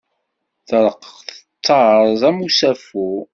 Treqq tettaẓ am usafu.